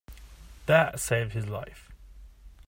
That saved his life.